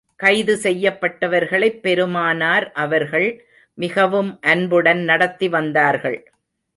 கைது செய்யப்பட்டவர்களைப் பெருமானார் அவர்கள் மிகவும் அன்புடன் நடத்தி வந்தார்கள்.